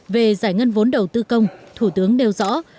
về giải ngân vốn đầu tư công thủ tướng nêu rõ